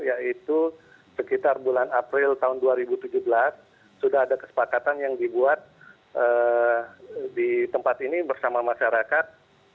yaitu sekitar bulan april tahun dua ribu tujuh belas sudah ada kesepakatan yang dibuat di tempat ini bersama masyarakat